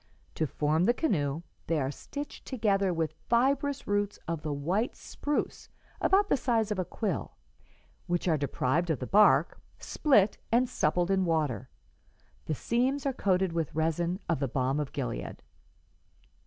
To form the canoe, they are stitched together with fibrous roots of the white spruce about the size of a quill, which are deprived of the bark, split and suppled in water. The seams are coated with resin of the balm of Gilead.